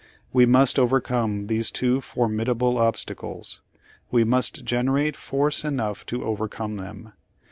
We must overcome these two for midable obstacles. We must generate force enough to overcome them.